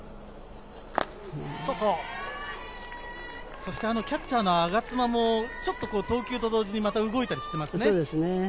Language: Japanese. そしてキャッチャーの我妻もちょっと投球と同時に動いたりしていますね。